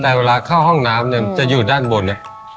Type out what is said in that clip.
แต่เวลาเข้าห้องน้ำเนี่ยจะอยู่ด้านบนเนี่ย